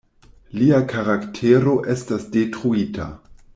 Lia karaktero estas detruita.